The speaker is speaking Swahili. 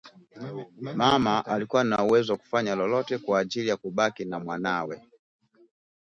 Mama alikuwa na uwezo wa kufanya lolote kwa minajili ya kubaki na mwanawe